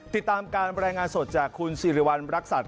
ติดตามการรายงานสดจากคุณสิริวัณรักษัตริย